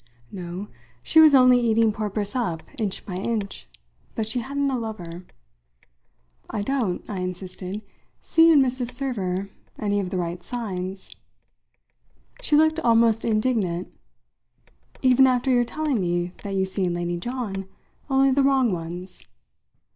No, she was only eating poor Briss up inch by inch, but she hadn't a lover. "I don't," I insisted, "see in Mrs. Server any of the right signs." She looked almost indignant. "Even after your telling me that you see in Lady John only the wrong ones?"